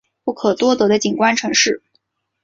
不可多得的景观城市